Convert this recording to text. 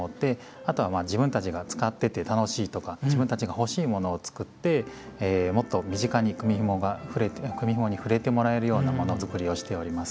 あとはまあ自分たちが使ってて楽しいとか自分たちが欲しいものを作ってもっと身近に組みひもに触れてもらえるような物作りをしております。